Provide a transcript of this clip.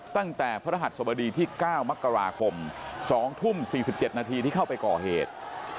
ตั้งแต่พระรหัสสบดีที่๙มกราคม๒ทุ่ม๔๗นาทีที่เข้าไปก่อเหตุ